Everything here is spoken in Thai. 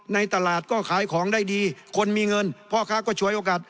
ในตลาดก็ขายของได้ดีคนมีเงินพ่อค้าก็ช่วยโอกาส